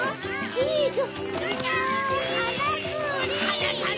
チーズ！